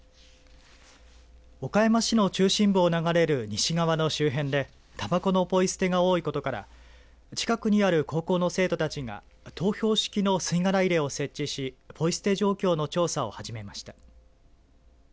岡山市の中心部を流れる西川の周辺でたばこのポイ捨てが多いことから近くにある高校の生徒たちが投票式の吸い殻入れを設置しポイ捨て状況の調査を始めました。